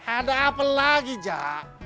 ada apa lagi jak